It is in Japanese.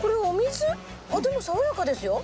でも爽やかですよ。